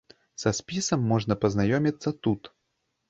Са спісам можна пазнаёміцца тут.